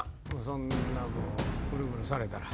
そんなぐるぐるされたら。